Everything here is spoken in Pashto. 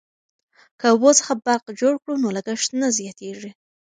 که اوبو څخه برق جوړ کړو نو لګښت نه زیاتیږي.